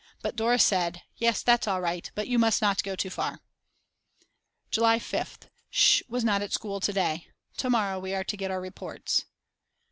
But Dora said: Yes that's all right but you must not go too far. July 5th. Sch. was not at school to day. To morrow we are to get our reports.